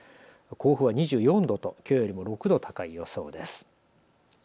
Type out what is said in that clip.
甲府は２４度ときょうよりも６度高い予想です。